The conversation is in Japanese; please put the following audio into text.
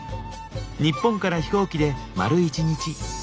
日本から飛行機で丸一日。